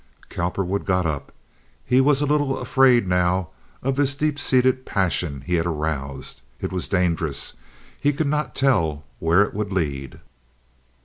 Cowperwood got up. He was a little afraid now of this deep seated passion he had aroused. It was dangerous. He could not tell where it would lead.